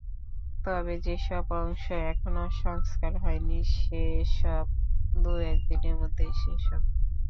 তবে যেসব অংশ এখনো সংস্কার হয়নি, সেসব দু-এক দিনের মধ্যেই শেষ হবে।